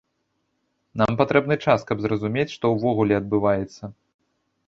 Нам патрэбны час, каб зразумець, што ўвогуле адбываецца.